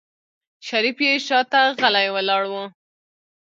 شريف يې شاته غلی ولاړ و.